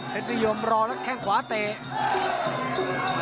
นิยมรอแล้วแข้งขวาเตะ